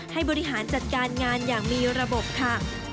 ให้บริหารจัดการงานอย่างมีระบบค่ะ